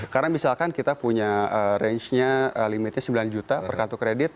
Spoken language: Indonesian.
karena misalkan kita punya range nya limitnya sembilan juta per kartu kredit